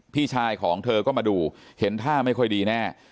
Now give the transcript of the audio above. พี่ชายของเธอก็มาดูเห็นท่าไม่ค่อยดีแน่